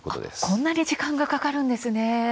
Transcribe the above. こんなに時間がかかるんですね。